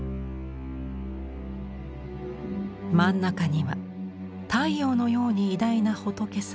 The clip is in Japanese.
真ん中には太陽のように偉大な仏様鬼門仏。